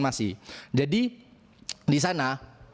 masih jadi di sana